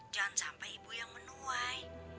jangan sampai ibu yang menuai